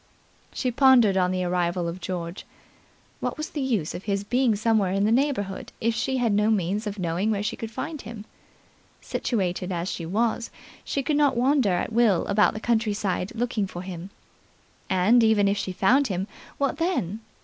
She pondered on the arrival of George. What was the use of his being somewhere in the neighbourhood if she had no means of knowing where she could find him? Situated as she was, she could not wander at will about the countryside, looking for him. And, even if she found him, what then?